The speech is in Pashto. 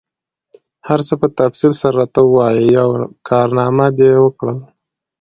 هر څه په تفصیل سره راته ووایه، یوه کارنامه دي وکړل؟